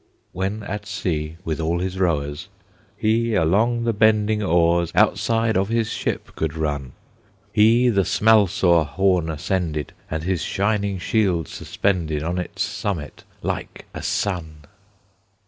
When at sea, with all his rowers, He along the bending oars Outside of his ship could run. He the Smalsor Horn ascended, And his shining shield suspended On its summit, like a sun.